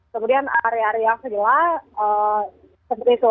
kemudian area area sebelah seperti itu